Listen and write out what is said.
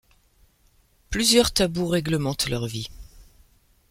Plusieurs tabous réglementent leur vies.